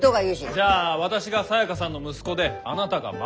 じゃあ私がサヤカさんの息子であなたが孫。